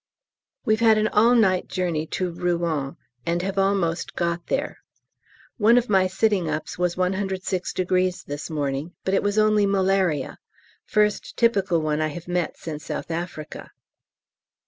We've had an all night journey to Rouen, and have almost got there. One of my sitting ups was 106° this morning, but it was only malaria, first typical one I have met since S.A.